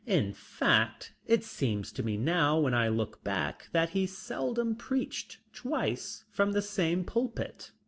In fact, it seems to me now when I look back that he seldom preached twice from the same pulpit.